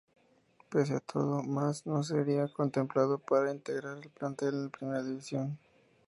Pese a todo, Maz no sería contemplado para integrar el plantel en Primera División.